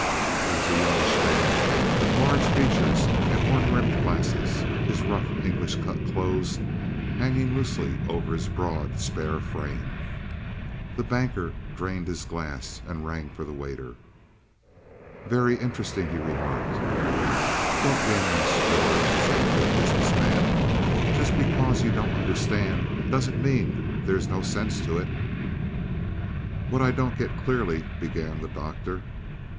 He was a youngish man, with large features and horn rimmed glasses, his rough English cut clothes hanging loosely over his broad, spare frame. The Banker drained his glass and rang for the waiter. "Very interesting," he remarked. "Don't be an ass, George," said the Big Business Man. "Just because you don't understand, doesn't mean there is no sense to it." "What I don't get clearly" began the Doctor.